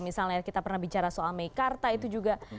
misalnya kita pernah bicara soal meikarta itu juga